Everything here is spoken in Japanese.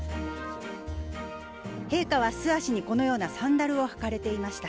陛下は素足に、このようなサンダルを履かれていました。